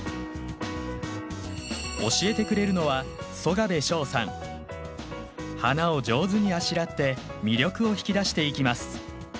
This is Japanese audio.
教えてくれるのは花を上手にあしらって魅力を引き出していきます。